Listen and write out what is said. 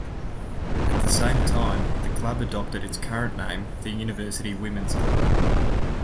At the same time, the Club adopted its current name, the University Women's Club.